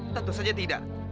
tentu saja tidak